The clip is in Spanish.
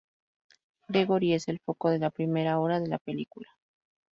Gregory es el foco de la primera hora de la película.